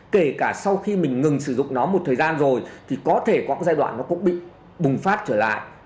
kể cả sau khi mình ngừng sử dụng nó một thời gian rồi thì có thể có cái giai đoạn nó cũng bị bùng phát trở lại